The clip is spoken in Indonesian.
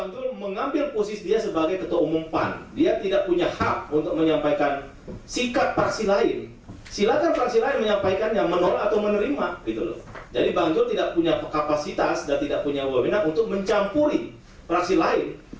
susanto mengambil posisi dia sebagai ketua umum pan dia tidak punya hak untuk menyampaikan sikat praksi lain